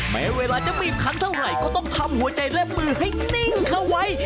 แม้เวลาจะบีบคันเท่าไหร่ก็ต้องทำหัวใจและมือให้นิ่งเข้าไว้